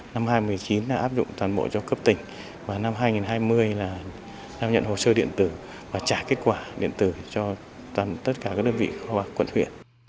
năm hai nghìn một mươi chín áp dụng toàn bộ cho cấp tỉnh và năm hai nghìn hai mươi là giao nhận hồ sơ điện tử và trả kết quả điện tử cho tất cả các đơn vị quận huyện